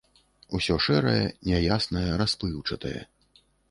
Усё шэрае, няяснае, расплыўчатае.